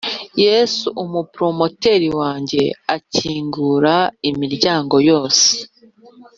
yesu umu promoteri wanjye, akingura imiryango yose